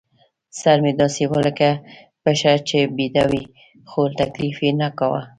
سر مې داسې و لکه پښه چې بېده وي، خو تکلیف یې نه کاوه.